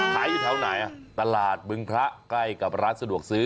อยู่แถวไหนตลาดบึงพระใกล้กับร้านสะดวกซื้อ